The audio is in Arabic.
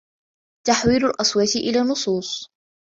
تحويل الأصوات الى نصوص